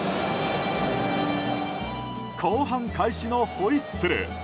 後半開始のホイッスル。